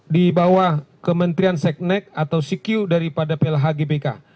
di bawah kementrian seknek atau sikiu daripada plh gbk